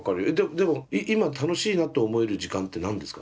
でも今楽しいなと思える時間って何ですか？